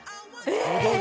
え！